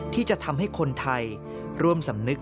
ที่จะทำให้คนไทยร่วมสำนึก